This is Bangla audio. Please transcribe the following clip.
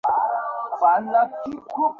হ্যাঁ, এরকম কথা মমির বেলাতেও বলতে, জন।